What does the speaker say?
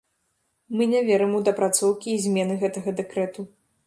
Мы не верым у дапрацоўкі і змены гэтага дэкрэту.